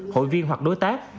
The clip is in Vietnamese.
hội viên hoặc đối tác